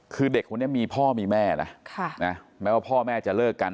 คือเด็กคนนี้มีพ่อมีแม่นะแม้ว่าพ่อแม่จะเลิกกัน